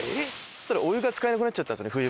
そしたらお湯が使えなくなっちゃったんですよね